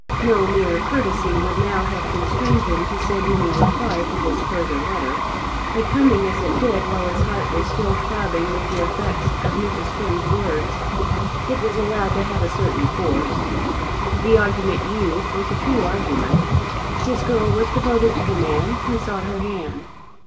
No mere courtesy would now have constrained him to send any reply to this further letter. But coming as it did while his heart was still throbbing with the effects of Mrs. Finn's words, it was allowed to have a certain force. The argument used was a true argument. His girl was devoted to the man who sought her hand.